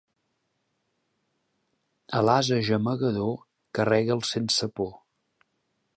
A l'ase gemegador, carrega'l sense por.